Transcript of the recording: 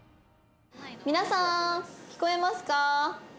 「皆さん聞こえますか？」